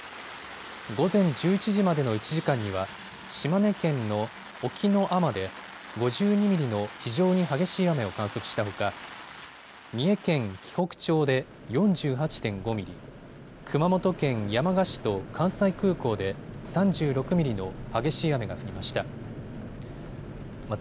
午前１１時までの１時間には島根県の隠岐の海士で５２ミリの非常に激しい雨を観測したほか三重県紀北町で４８．５ミリ、熊本県山鹿市と関西空港で３６ミリの激しい雨が降りました。